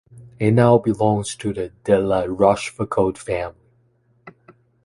It now belongs to the De La Rochefoucauld family.